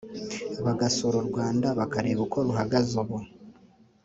bagasura u Rwanda bakareba uko ruhagaze ubu